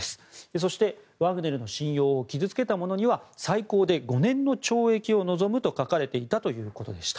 そして、ワグネルの信用を傷つけた者には最高で５年の懲役を望むと書かれていたということでした。